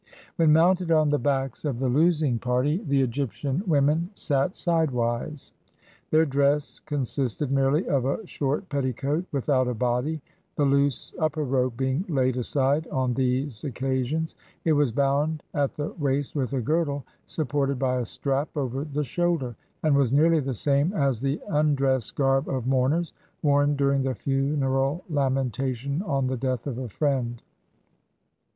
When mounted on the backs of the losing party, the 24 HOW EGYPTIANS AMUSED THEMSELVES Egyptian women sat sidewise. Their dress consisted merely of a short petticoat, without a body, the loose upper robe being laid aside on these occasions; it was boimd at the waist with a girdle, supported by a strap over the shoulder, and was nearly the same as the un dress garb of mourners, worn during the funeral lamen tation on the death of a friend.